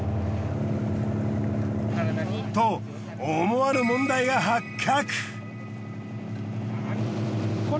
と思わぬ問題が発覚。